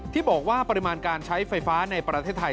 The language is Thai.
ที่บอกว่าปริมาณการใช้ไฟฟ้าในประเทศไทย